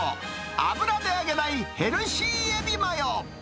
油で揚げないヘルシーエビマヨ。